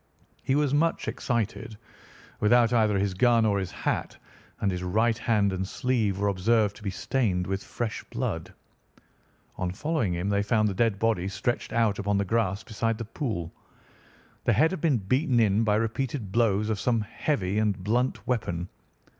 He was much excited, without either his gun or his hat, and his right hand and sleeve were observed to be stained with fresh blood. On following him they found the dead body stretched out upon the grass beside the pool. The head had been beaten in by repeated blows of some heavy and blunt weapon.